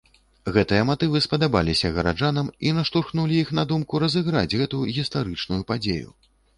Гэтыя матывы спадабаліся гараджанам і наштурхнулі іх на думку разыграць гэту гістарычную падзею.